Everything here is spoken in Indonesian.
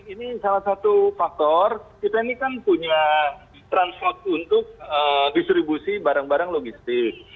ini salah satu faktor kita ini kan punya transport untuk distribusi barang barang logistik